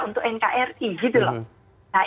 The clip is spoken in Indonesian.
untuk nkri gitu loh nah